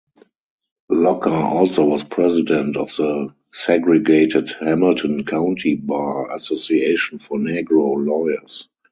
Locker also was president of the segregated Hamilton County Bar Association for Negro Lawyers.